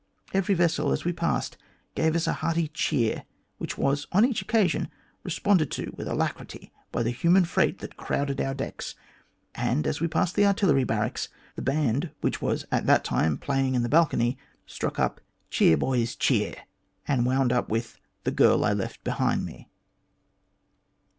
Every vessel, as we passed, gave us a hearty cheer, which was, on each occasion, responded to with alacrity by the human freight that crowded our decks, and as we passed the Artillery Barracks the band, which was at the time playing in the balcony, struck up ' Cheer, boys, cheer,' and wound up with * The girl I left behind me.'"